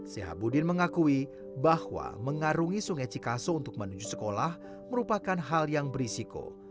sehabudin mengakui bahwa mengarungi sungai cikaso untuk menuju sekolah merupakan hal yang berisiko